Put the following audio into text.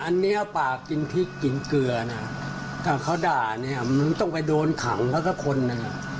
อันนี้ปากกินพริกกินเกลือถ้าเขาด่ามันต้องไปโดนขังแล้วก็คลนนั่น